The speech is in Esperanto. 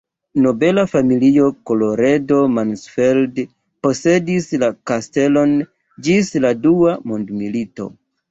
Nobela familio Colloredo-Mansfeld posedis la kastelon ĝis la dua mondmilito.